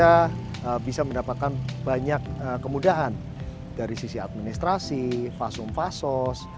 kita bisa mendapatkan banyak kemudahan dari sisi administrasi fasum fasos